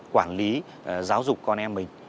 quản lý giáo dục con em mình